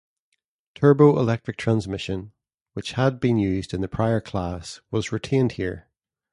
Turbo-electric transmission, which had been used in the prior class, was retained here.